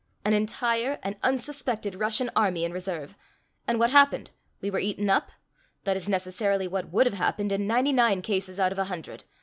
An entire and unsuspected Russian army in reserve! And what happened? We were eaten up? That is necessarily what would have happened in ninety nine cases out of a hundred.